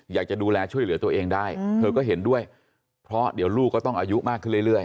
อยากจะดูแลช่วยเหลือตัวเองได้เธอก็เห็นด้วยเพราะเดี๋ยวลูกก็ต้องอายุมากขึ้นเรื่อย